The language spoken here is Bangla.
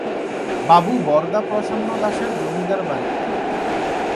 বাবু বরদা প্রসন্ন দাসের জমিদার বাড়ি